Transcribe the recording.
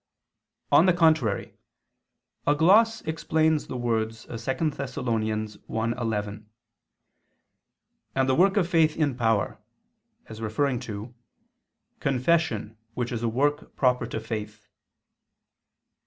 On the contrary, A gloss explains the words of 2 Thess. 1:11, "and the work of faith in power" as referring to "confession which is a work proper to faith."